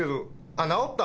あっ直った。